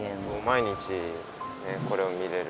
毎日これを見れる。